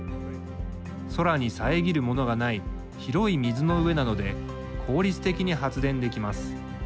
空に遮るものがない広い水の上なので効率的に発電できます。